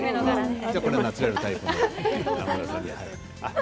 これはナチュラルタイプですね。